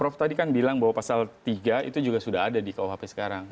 prof tadi kan bilang bahwa pasal tiga itu juga sudah ada di kuhp sekarang